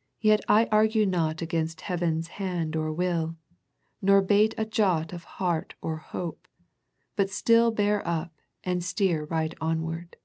" Yet I argue not against Heaven's hand or will. Nor bate a jot of heart or hope, But still bear up and steer right onward."